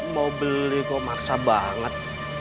mau beli kok maksa banget